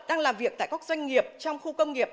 đang làm việc tại các doanh nghiệp trong khu công nghiệp